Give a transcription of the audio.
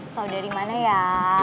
tau dari mana ya